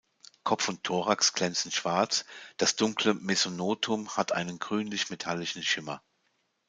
Kopf und Thorax glänzen schwarz, das dunkle Mesonotum hat einen grünlich-metallischen Schimmer.